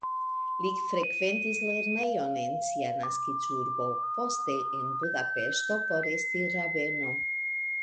Li frekventis lernejon en sia naskiĝurbo, poste en Budapeŝto por esti rabeno.